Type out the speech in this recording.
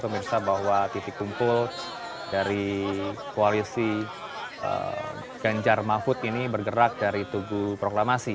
pemirsa bahwa titik kumpul dari koalisi ganjar mahfud ini bergerak dari tugu proklamasi